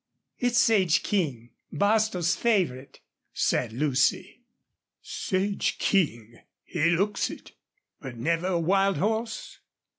"It's Sage King, Bostil's favorite," said Lucy. "Sage King! ... He looks it.... But never a wild horse?"